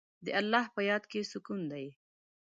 د الله په یاد کې سکون دی.